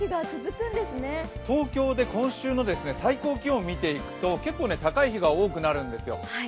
東京で今週の最高気温を見ていくと、結構高い日が多くなるんですよ。